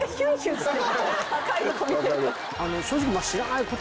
正直。